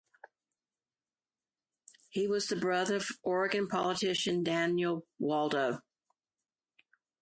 He was the brother of Oregon politician Daniel Waldo.